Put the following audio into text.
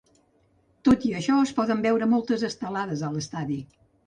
Tot i això, es poden veure moltes estelades a l’estadi.